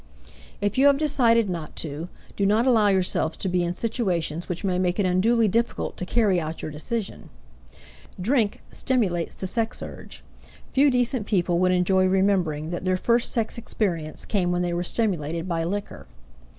If you have decided not to, do not allow yourselves to be in situations which make it unduly difficult to carry out your decision. Drink stimulates the sex urge; few decent people would enjoy remembering that their first sex experience came when they were stimulated by liquor.